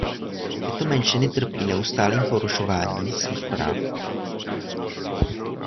Tyto menšiny trpí neustálým porušování svých práv.